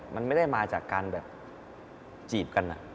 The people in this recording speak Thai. มันไม่ได้มาจากการแบบจีบกัน